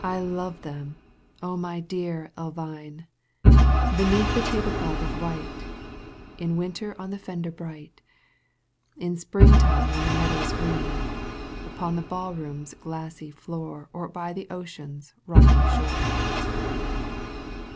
I love them, my dear Elvine,^* Beneath the table cloth of white. In winter on the fender bright, In springtime on the meadows green, Upon the ball room's glassy floor Or by the ocean's rocky shore.